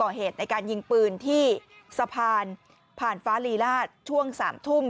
เพราะเหตุในการยิงปืนที่สะพานผ่านฟ้าลีลาดช่วง๓ทุ่ม